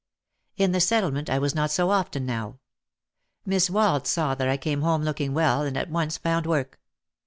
In the Settlement I was not so often now. Miss Wald saw that I came home looking well and at once found work.